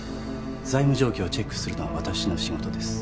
財務状況をチェックするのは私の仕事です